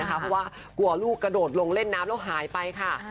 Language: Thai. เพราะว่ากลัวลูกกระโดดลงเล่นน้ำแล้วหายไปค่ะ